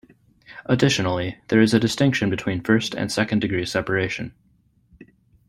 Additionally, there is a distinction between first and second degree separation.